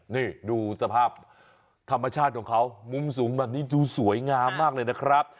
นี่ดูสภาพธรรมชาติของเขามุมสูงแบบนี้ดูสวยงามมากเลยนะครับ